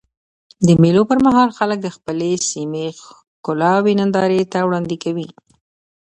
د مېلو پر مهال خلک د خپلي سیمي ښکلاوي نندارې ته وړاندي کوي.